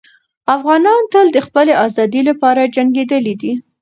افغانان تل د خپلې ازادۍ لپاره جنګېدلي دي.